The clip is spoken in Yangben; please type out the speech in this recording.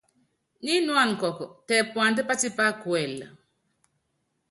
Nyinuána kɔɔkɔ, tɛ puandá patípá kuɛlɛ.